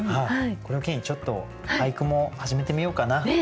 これを機にちょっと俳句も始めてみようかななんて。